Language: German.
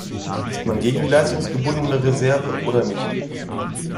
Ist man gegen die leistungsgebundene Reserve oder nicht?